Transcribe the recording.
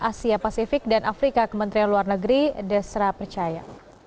asia pasifik dan afrika kementerian luar negeri desra percaya